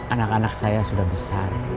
anak anak saya sudah besar